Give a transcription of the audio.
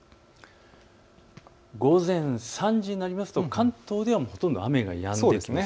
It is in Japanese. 午前３時になりますと関東ではほとんど雨がやんできます。